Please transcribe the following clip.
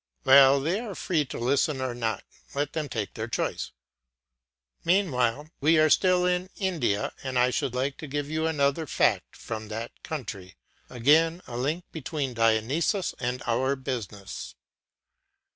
6Well, they are free to listen or not; let them take their choice. Meanwhile, we are still in India, and I should like to give you another fact from that country, again a link between Dionysus and our business.